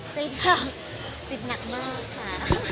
ติดค่ะติดหนักมากค่ะ